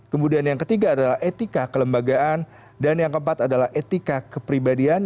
kemudian yang ketiga adalah etika kelembagaan dan yang keempat adalah etika kepribadian